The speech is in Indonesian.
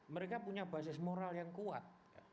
mereka punya basis moral yang kuat